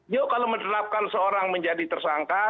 yuk kalau menerapkan seorang menjadi tersangka